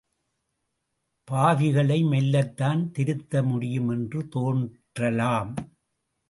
பாவிகளை மெல்லத்தான் திருத்த முடியும் என்று தோன்றலாம்.